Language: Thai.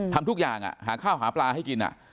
ทำทุกอย่างหาข้าวหาปลาให้กิน